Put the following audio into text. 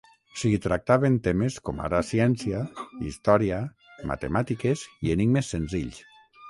S'hi tractaven temes com ara ciència, història, matemàtiques i enigmes senzills.